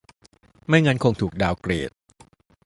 ไม่งั้นคงถูกดาวน์เกรด